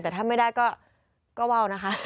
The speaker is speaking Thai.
แต่ถ้าไม่ได้ก็ว่าวนะคะ